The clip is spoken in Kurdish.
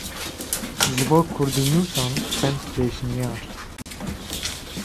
Ji bo kurdînûsan çend pêşniyar.